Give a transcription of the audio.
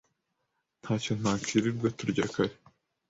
ntacyo ntakwirirwa turya kare